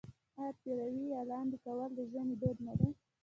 آیا پېروی یا لاندی کول د ژمي دود نه دی؟